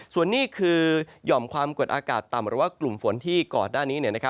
ส่วนนี้คือหย่อมความกดอากาศต่ำหรือว่ากลุ่มฝนที่ก่อนหน้านี้